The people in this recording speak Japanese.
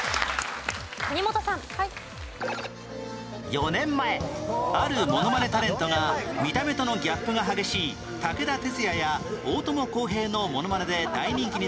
４年前あるモノマネタレントが見た目とのギャップが激しい武田鉄矢や大友康平のモノマネで大人気になり